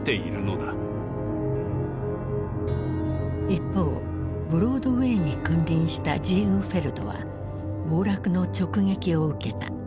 一方ブロードウェイに君臨したジーグフェルドは暴落の直撃を受けた。